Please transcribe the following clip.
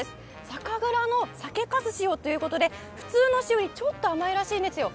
酒蔵の酒粕塩という事で普通の塩よりちょっと甘いらしいんですよ。